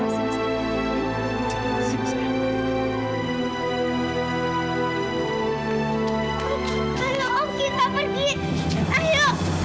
sampai jumpa di video selanjutnya